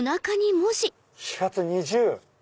４月２０。